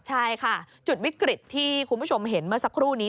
ใช่ค่ะจุดวิกฤตที่คุณผู้ชมเห็นเมื่อสักครู่นี้